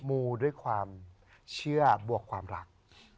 มูด้วยความเชื่อบวกความรัก